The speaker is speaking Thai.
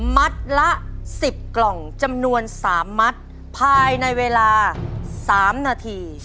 มัดละ๑๐กล่องจำนวน๓มัดภายในเวลา๓นาที